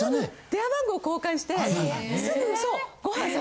電話番号交換してすぐ。